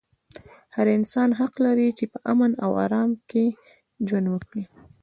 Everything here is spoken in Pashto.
هر انسان حق لري چې په امن او ارام کې ژوند وکړي.